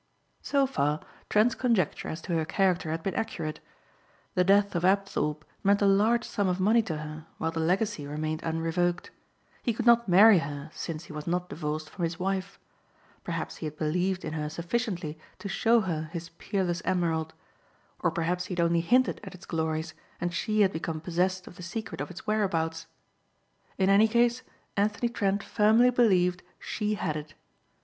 So far, Trent's conjecture as to her character had been accurate. The death of Apthorpe meant a large sum of money to her while the legacy remained unrevoked. He could not marry her since he was not divorced from his wife. Perhaps he had believed in her sufficiently to show her his peerless emerald. Or perhaps he had only hinted at its glories and she had become possessed of the secret of its whereabouts. In any case Anthony Trent firmly believed she had it.